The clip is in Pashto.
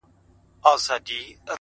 لوړ لید لوري لوی بدلون راولي,